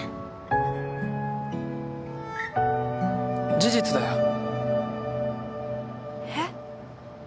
事実だよ。え？